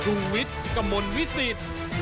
ชุวิตกมลวิสิต